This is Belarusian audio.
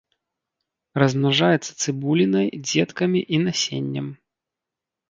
Размнажаецца цыбулінай, дзеткамі і насеннем.